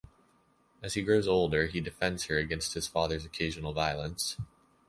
As he grows older, he defends her against his father's occasional violence.